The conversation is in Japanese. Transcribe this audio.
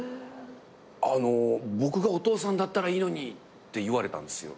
あの僕が「お父さんだったらいいのに」って言われたんですよ。